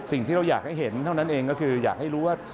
สิ่งที่เราอยากให้เห็นเท่านั้นเองก็คืออยากให้รู้ว่า